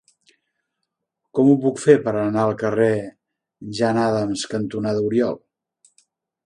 Com ho puc fer per anar al carrer Jane Addams cantonada Oriol?